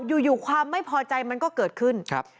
อยู่ความไม่พอใจมันก็เกิดขึ้นครับ